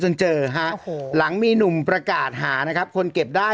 เจอฮะโอ้โหหลังมีหนุ่มประกาศหานะครับคนเก็บได้